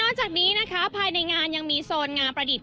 จากนี้นะคะภายในงานยังมีโซนงามประดิษฐ